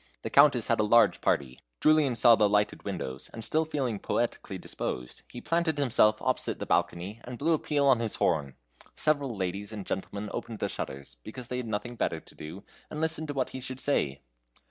The Countess had a large party. Julian saw the lighted windows, and still feeling poetically disposed, he planted himself opposite the balcony, and blew a peal on his horn. Several ladies and gentlemen opened the shutters, because they had nothing better to do, and listened to what he should say.